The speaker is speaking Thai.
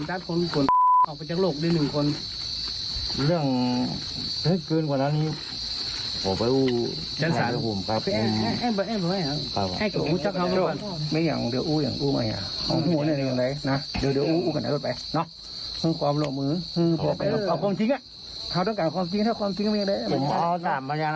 อัศวินไทยอัศวินไทยอัศวินไทย